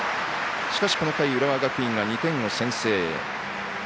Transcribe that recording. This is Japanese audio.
しかし、この回、浦和学院が２点を先制。